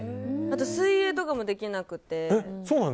水泳とかもできなくて。